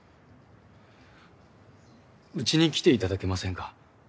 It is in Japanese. うちに来ていただけませんか？